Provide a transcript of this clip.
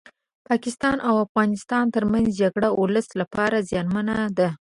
پاکستان او افغانستان ترمنځ جګړه ولس لپاره زيانمنه ده